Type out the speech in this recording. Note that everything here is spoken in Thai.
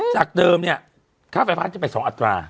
จากเดิมเนี่ยค่าไฟฟ้าจะไป๒อัตรา